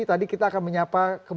tadi kita akan menyampaikan